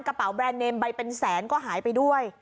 กระเป๋าแบรนด์เนมใบเป็นแสนก็หายไปด้วย